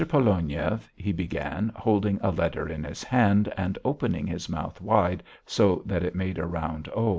Pologniev," he began, holding a letter in his hand and opening his mouth wide so that it made a round O.